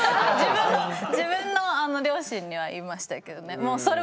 自分の両親には言いましたけどね。